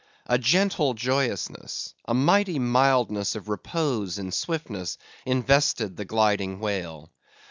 A gentle joyousness—a mighty mildness of repose in swiftness, invested the gliding whale.